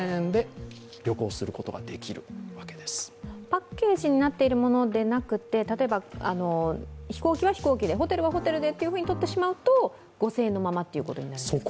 パッケージになっているものではなくて、例えば飛行機は飛行機で、ホテルはホテルでとってしまう５０００円のままということになるんですか。